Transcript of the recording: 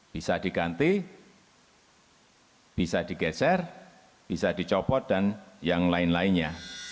bisa diganti bisa digeser bisa dicopot dan yang lain lainnya